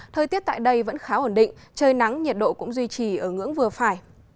thời tiết tại đây vẫn khá ổn định trời nắng nhiệt độ cũng duy trì ở ngưỡng vừa phải